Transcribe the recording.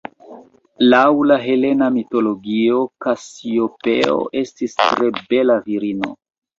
Laŭ la helena mitologio Kasiopeo estis tre bela virino.